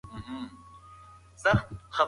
قانون په ټولو یو شان پلی کېږي.